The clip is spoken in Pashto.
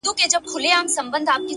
هره تجربه د لید زاویه بدله وي.!